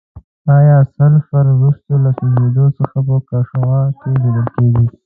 آیا سلفر وروسته له سوځیدو څخه په قاشوغه کې لیدل کیږي؟